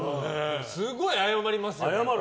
すごい謝りますよね。